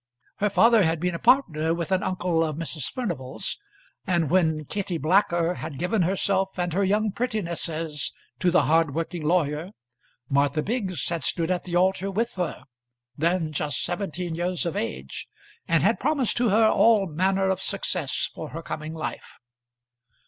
Her father had been a partner with an uncle of Mrs. Furnival's; and when Kitty Blacker had given herself and her young prettinesses to the hardworking lawyer, Martha Biggs had stood at the altar with her, then just seventeen years of age, and had promised to her all manner of success for her coming life.